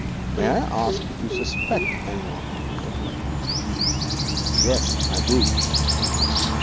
May I ask if you suspect any one in particular?' 'Yes, I do.'